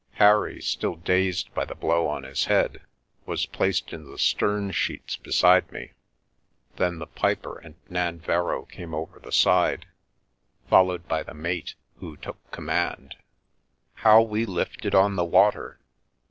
Harry, still dazed by the blow on his head, was placed in the stern sheets beside me, then the piper and Nanverrow came over the side, followed by the mate, who took command. How we lifted on the water!